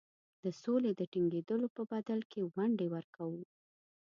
د سولي د ټینګېدلو په بدل کې ونډې ورکوو.